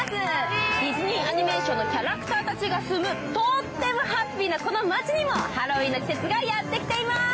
ディズニーアニメーションのキャラクターたちが住む、とってもハッピーなこの街にもハロウィーンの季節がやってきています。